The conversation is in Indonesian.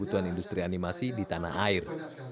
kebutuhan industri animasi di tanah air